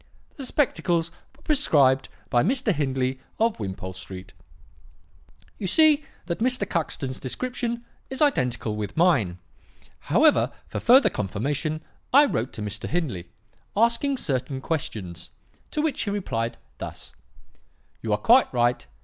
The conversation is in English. "'The spectacles were prescribed by Mr. Hindley of Wimpole Street.' "You see that Mr. Cuxton's description is identical with mine. However, for further confirmation, I wrote to Mr. Hindley, asking certain questions, to which he replied thus: "'You are quite right.